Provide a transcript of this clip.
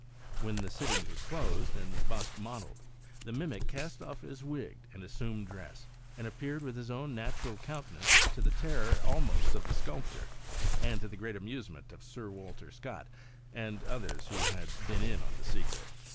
When the sittings were closed and the bust modelled, the mimic cast off his wig and assumed dress, and appeared with his own natural countenance, to the terror almost of the sculptor, and to the great amusement of Sir Walter Scott and others who had been in the secret.